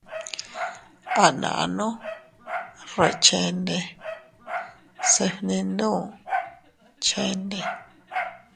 A nannu reʼe chende se fninduu chende.